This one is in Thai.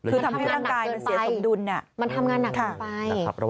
คือทำให้ร่างกายมันเสียสมดุลมันทำงานหนักเกินไป